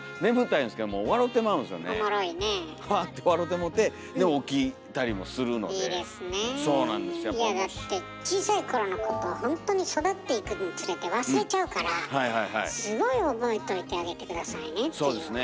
いやだって小さい頃のことほんとに育っていくにつれて忘れちゃうからすごい覚えといてあげて下さいねっていうわね。